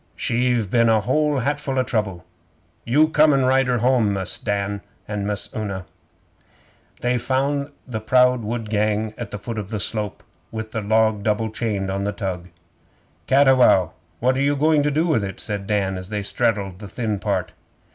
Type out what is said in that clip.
She've been a whole hatful o' trouble. You come an' ride her home, Mus' Dan and Miss Una!' 'They found the proud wood gang at the foot of the slope, with the log double chained on the tug. 'Cattiwow, what are you going to do with it?' said Dan, as they straddled the thin part.